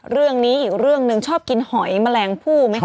เรื่องนี้อีกเรื่องหนึ่งชอบกินหอยแมลงผู้ไหมคะ